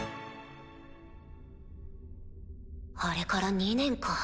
あれから２年か。